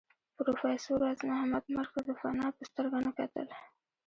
پروفېسر راز محمد مرګ ته د فناء په سترګه نه کتل